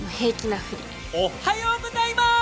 おっはようございます！